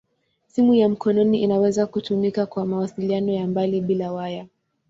Simu ya mkononi inaweza kutumika kwa mawasiliano ya mbali bila waya.